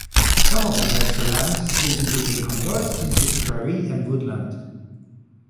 Some of this extra land has recently been converted into prairie and woodland.